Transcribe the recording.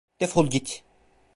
Defol git!